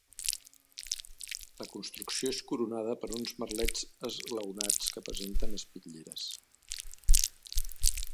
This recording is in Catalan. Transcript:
La construcció és coronada per uns merlets esglaonats que presenten espitlleres.